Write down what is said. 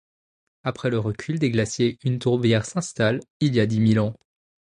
Après le recul des glacier une tourbière s'installe, il y a dix mille ans.